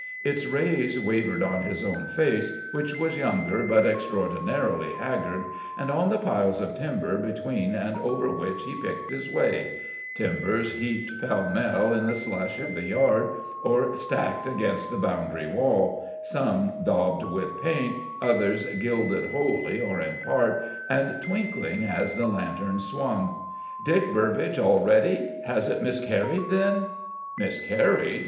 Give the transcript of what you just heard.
Its rays wavered on his own face, which was young but extraordinarily haggard, and on the piles of timber between and over which he picked his way timbers heaped pell mell in the slush of the yard or stacked against the boundary wall, some daubed with paint, others gilded wholly or in part, and twinkling as the lantern swung. "Dick Burbage already? Has it miscarried, then?" "Miscarried?